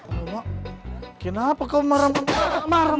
alamak kenapa kau marah marah